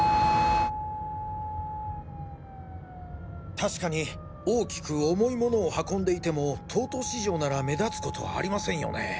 確かに大きく重いものを運んでいても東都市場なら目立つことはありませんよね。